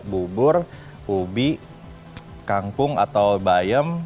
bubur ubi kangkung atau bayam